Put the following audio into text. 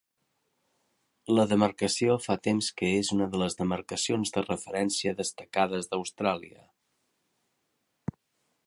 La demarcació fa temps que és una de les demarcacions de referencia destacades d'Austràlia.